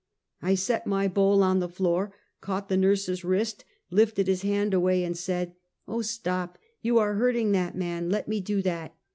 I set my bowl on the floor, caught the nurse's wi ist, lifted his hand away, and said: "Oh, stop! you are hurting that man! Let me do that!"